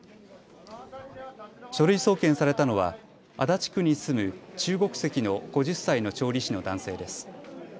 書類送検されたのは足立区に住む中国籍の５０歳の調理師の男性です。